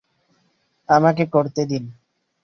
আমাকে করতে দিন।